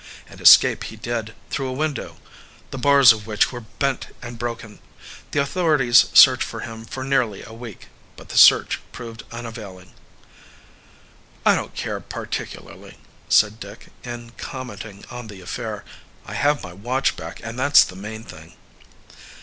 And escape he did, through a window the bars of which were bent and broken. The authorities searched for him for nearly a week, but the search proved unavailing. "I don't care particularly," said Dick, in commenting on the affair. "I have my watch back and that's the main thing."